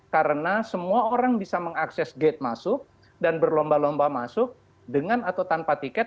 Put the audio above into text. karena semua orang bisa mengakses gate masuk dan berlomba lomba masuk dengan atau tanpa tiket